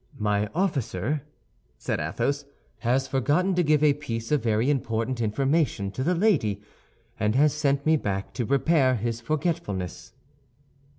"My officer," said Athos, "has forgotten to give a piece of very important information to the lady, and has sent me back to repair his forgetfulness."